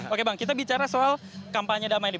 oke bang kita bicara soal kampanye damai ini